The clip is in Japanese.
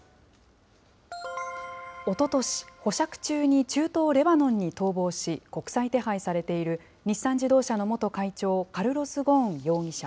おととし、保釈中に中東レバノンに逃亡し、国際手配されている日産自動車の元会長、カルロス・ゴーン容疑者。